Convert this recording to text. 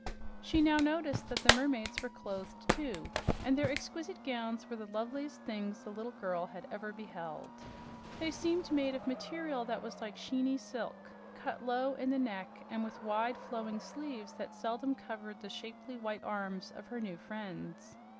She now noticed that the mermaids were clothed, too, and their exquisite gowns were the loveliest thing the little girl had ever beheld. They seemed made of a material that was like sheeny silk, cut low in the neck and with wide, flowing sleeves that seldom covered the shapely, white arms of her new friends.